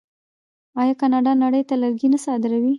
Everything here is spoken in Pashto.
آیا کاناډا نړۍ ته لرګي نه صادروي؟